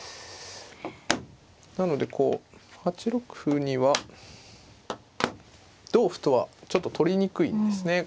なのでこう８六歩には同歩とはちょっと取りにくいんですね。